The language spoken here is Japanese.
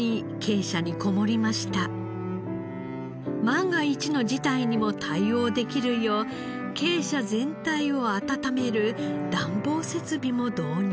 万が一の事態にも対応できるよう鶏舎全体を温める暖房設備も導入。